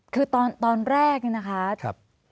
คือตอนแรกนะคะ